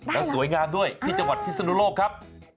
แล้วสวยงามด้วยที่จังหวัดพิศนุโลกครับ